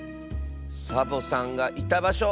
サボさんがいたばしょ。